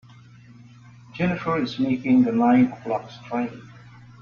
Jennifer is making the nine o'clock train.